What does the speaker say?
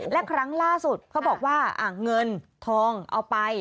และครั้งล่าสุดเขาบอกว่าเงินทองเอาไป